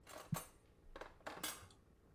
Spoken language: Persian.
شیر آب که چکه میکند